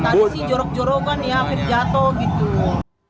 tadi sih jorok jorogan ya hampir jatuh gitu